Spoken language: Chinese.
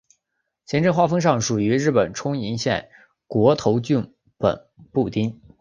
行政划分上属于日本冲绳县国头郡本部町。